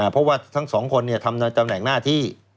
เพราะว่าทั้ง๒คนเนี่ยทำจำหนักหน้าที่